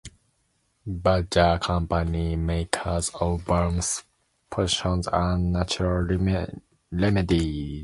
Badger Company, makers of balms, potions and natural remedies.